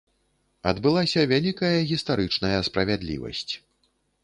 Адбылася вялікая гістарычная справядлівасць.